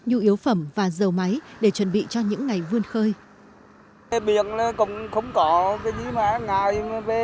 nhu yếu phẩm và dầu máy để chuẩn bị cho những ngày vươn khơi